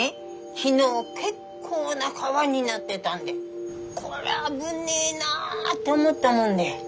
昨日結構な川になってたんでこりゃ危ねえなって思ったもんで。